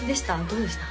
どうでした？